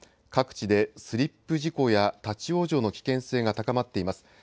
各地でスリップ事故や立往生の危険性が高まっています。